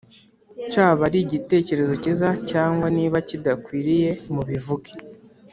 cyaba ari igitekerezo cyiza cyangwa niba kidakwiriye mubivuge